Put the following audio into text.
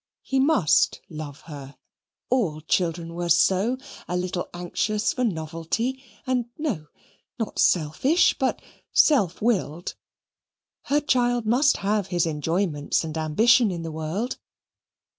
He must love her. All children were so: a little anxious for novelty, and no, not selfish, but self willed. Her child must have his enjoyments and ambition in the world.